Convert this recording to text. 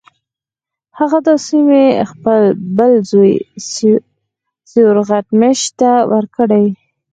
هغه دا سیمې خپل بل زوی سیورغتمش ته ورکړې.